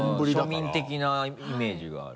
庶民的なイメージがある。